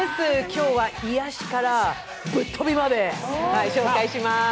今日は癒やしからぶっ飛びまで紹介します。